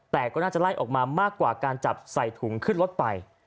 แต่ก็น่าจะไล่ออกมามากกว่าการจับใส่ถุงขึ้นรถไป